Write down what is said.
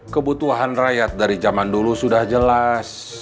kebutuhan rakyat dari zaman dulu sudah jelas